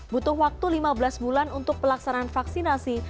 butuh waktu lima belas bulan untuk pelaksanaan vaksinasi